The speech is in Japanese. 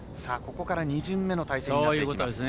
ここから２巡目の対戦になっていきます。